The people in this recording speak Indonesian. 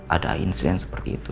ada insiden seperti itu